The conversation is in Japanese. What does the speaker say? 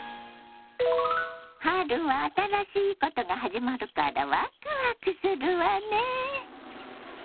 春は新しいことが始まるからワクワクするわね。